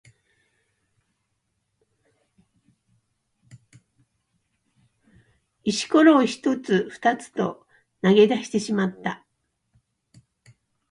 石ころを一つ二つと投げ出してしまった。